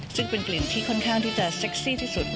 ซึ่งเป็นกลิ่นที่ค่อนข้างที่จะเซ็กซี่ที่สุด